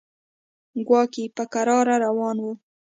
کواګې په کراره روان و.